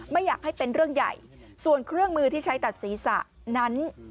ไม่อยากให้เป็นเรื่องใหญ่ส่วนเครื่องมือที่ใช้ตัดศีรษะนั้น